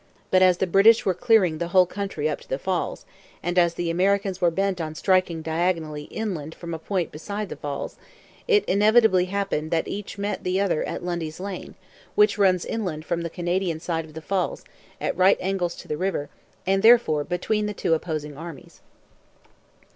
But as the British were clearing the whole country up to the Falls, and as the Americans were bent on striking diagonally inland from a point beside the Falls, it inevitably happened that each met the other at Lundy's Lane, which runs inland from the Canadian side of the Falls, at right angles to the river, and therefore between the two opposing armies.